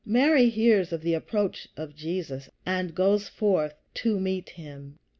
Martha hears of the approach of Jesus, and goes forth to meet him.